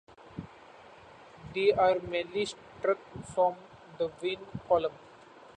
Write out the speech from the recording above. They are merely struck from the win column.